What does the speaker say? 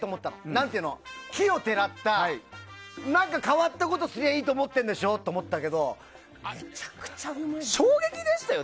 何ていうの、奇をてらった変わったことすりゃいいと思ってんでしょと思ったけど衝撃でしたよ。